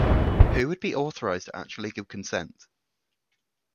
Who would be authorized to actually give consent?